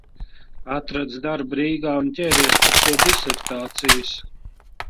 Atradis darbu Rīgā un ķēries pat pie disertācijas.